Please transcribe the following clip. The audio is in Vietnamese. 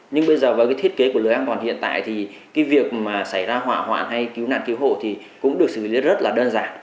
nhưng bây giờ với cái thiết kế của lưới an toàn hiện tại thì cái việc mà xảy ra hỏa hoạn hay cứu nạn cứu hộ thì cũng được xử lý rất là đơn giản